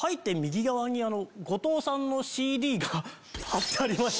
後藤さんのＣＤが張ってありまして。